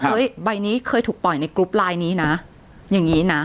ใบนี้เคยถูกปล่อยในกรุ๊ปไลน์นี้นะอย่างนี้นะ